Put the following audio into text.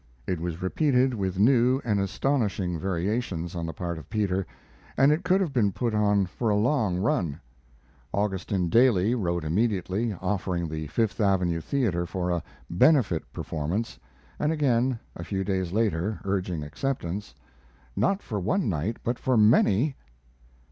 It was repeated with new and astonishing variations on the part of Peter, and it could have been put on for a long run. Augustin Daly wrote immediately, offering the Fifth Avenue Theater for a "benefit" performance, and again, a few days later, urging acceptance. "Not for one night, but for many."